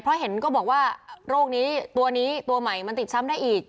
เพราะเห็นก็บอกว่าโรคนี้ตัวนี้ตัวใหม่มันติดซ้ำได้อีก